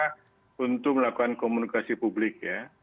kementerian kesehatan berusaha untuk melakukan komunikasi publik